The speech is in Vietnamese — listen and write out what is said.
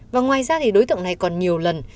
và ngoài ra đối tượng này còn nhiều lần